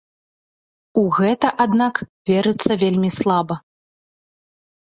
У гэта, аднак, верыцца вельмі слаба.